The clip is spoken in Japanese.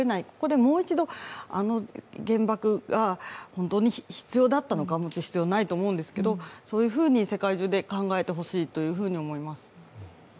ここでもう一度、あの原爆が必要だったのか、もちろん必要ないと思うんですけどそういうふうに世界中で考えてほしいと思います。